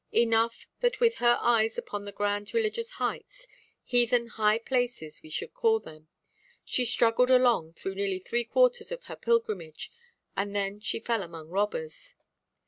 Enough that with her eyes upon the grand religious heights—heathen high places, we should call them—she struggled along through nearly three–quarters of her pilgrimage, and then she fell among robbers.